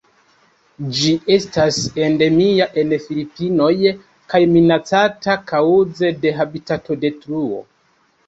Ĝi estas endemia en Filipinoj kaj minacata kaŭze de habitatodetruo.